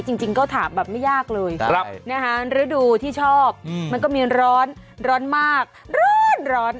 จริงก็ถามแบบไม่ยากเลยฤดูที่ชอบมันก็มีร้อนร้อนมากร้อน